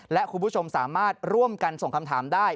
และคุณผู้ชมสามารถร่วมกันส่งคำถามได้